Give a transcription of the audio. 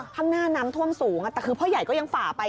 ข้างหน้าน้ำท่วมสูงแต่คือพ่อใหญ่ก็ยังฝ่าไป